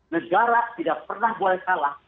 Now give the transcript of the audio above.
negara tidak pernah boleh kalah